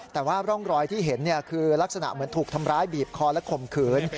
แต่ว่าร่องรอยที่เห็นคือลักษณะเหมือนถูกทำร้ายบีบคอและข่มขืน